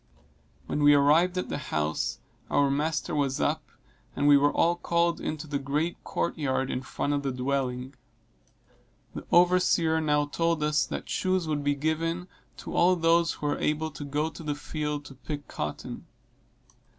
When we arrived at the house our master was up, and we were all called into the great court yard in front of the dwelling. The overseer now told us that shoes would be given to all those who were able to go to the field to pick cotton.